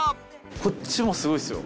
こっちもすごいですよ。